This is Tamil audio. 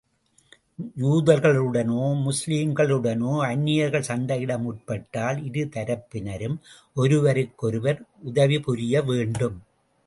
யூதர்களுடனோ, முஸ்லிம்களுடனோ அந்நியர்கள் சண்டையிட முற்பட்டால், இரு தரப்பினரும் ஒருவருக்கொருவர் உதவி புரிய வேண்டும்.